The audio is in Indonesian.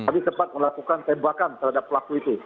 kami sempat melakukan tembakan terhadap pelaku itu